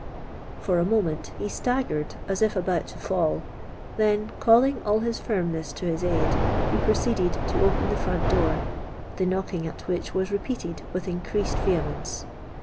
For a moment he staggered as if about to fall: then, calling all his firmness to his aid, he proceeded to open the front door, the knocking at which was repeated with increased vehemence.